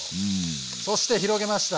そして広げました。